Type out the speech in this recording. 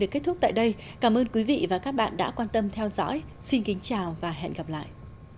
cảm ơn các bạn đã theo dõi và hẹn gặp lại